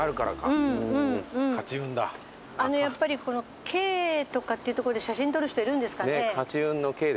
この「Ｋ」とかっていう所で写真撮る人いるんですかね。